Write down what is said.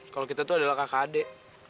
kalau kita tuh adalah kakak adik